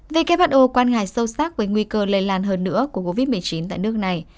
who quan ngại sâu sắc với nguy cơ lây lan hơn nữa của covid một mươi chín tại nước này